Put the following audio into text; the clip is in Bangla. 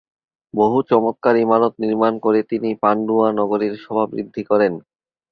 বহু চমৎকার ইমারত নির্মাণ করে তিনি পান্ডুয়া নগরীর শোভা বৃদ্ধি করেন।